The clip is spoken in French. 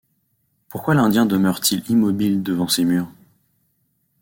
Pourquoi l’Indien demeurait-il immobile devant ces murs ?